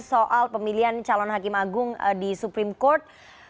soal pemilihan calon hakim agung di supreme court